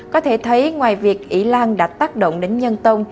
có thể thấy ngoài việc ý lan đã tác động đến nhân tông